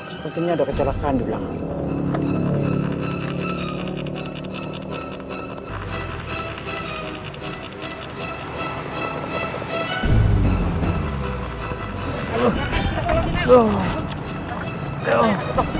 sepertinya ada kecelakaan di ulang